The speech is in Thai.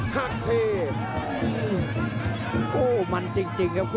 พยาบกระแทกมัดเย็บซ้าย